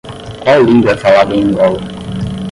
Qual língua é falada em Angola?